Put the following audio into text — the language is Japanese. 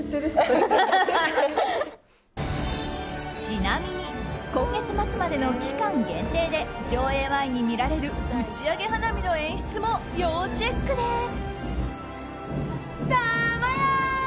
ちなみに今月末までの期間限定で上映前に見られる打ち上げ花火の演出も要チェックです。